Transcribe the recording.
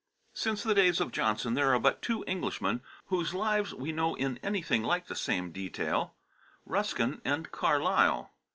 Since the days of Johnson there are but two Englishmen whose lives we know in anything like the same detail Ruskin and Carlyle.